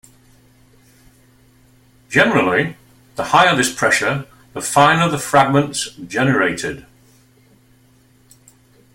Generally, the higher this pressure, the finer the fragments generated.